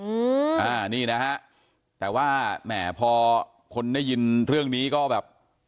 อืมอ่านี่นะฮะแต่ว่าแหมพอคนได้ยินเรื่องนี้ก็แบบ